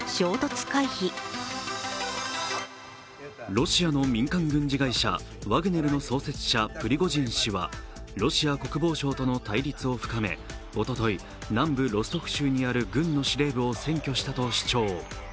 ロシアの民間軍事会社ワグネルの創設者、プリゴジン氏はロシア国防省との対立を深め、おととい南部・ロストフ州にある軍の司令部を占拠したと主張。